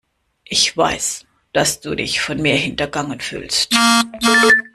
Ich weiß, dass du dich von mir hintergangen fühlst.